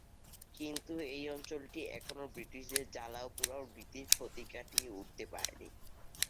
কিন্তু এই অঞ্চলটি এখনও ব্রিটিশদের জ্বালাও-পোড়াও নীতির ক্ষতি কাটিয়ে উঠতে পারেনি।